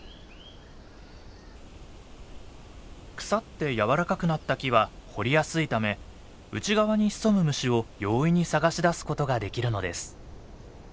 腐って柔らかくなった木は掘りやすいため内側に潜む虫を容易に探し出すことができるのです。